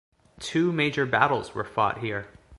Two major battles were fought here.